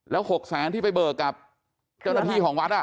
แล้ว๖แสนที่ไปเบิกกับเจ้าหน้าที่ของวัด